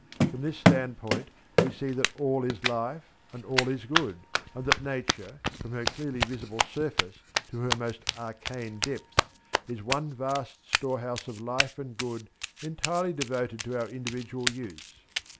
From this standpoint we see that all is Life and all is Good, and that Nature, from her clearly visible surface to her most arcane depths, is one vast storehouse of life and good entirely devoted to our individual use.